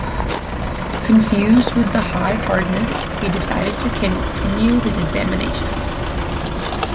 Confused with the high hardness, he decided to continue his examinations.